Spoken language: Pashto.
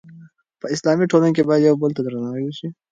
په اسلامي ټولنه کې باید یو بل ته درناوی وشي.